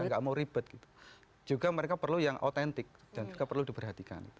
nggak mau ribet gitu juga mereka perlu yang autentik dan juga perlu diperhatikan